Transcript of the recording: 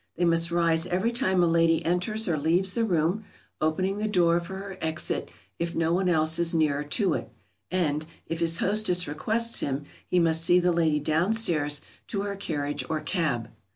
They must rise every time a lady enters or leaves the room, opening the door for her exit if no one else is nearer to it, and, if his hostess requests him, he must see the lady downstairs to her carriage or cab.